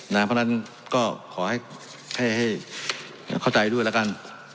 เพราะฉะนั้นก็ขอให้เข้าใจด้วยแล้วกัน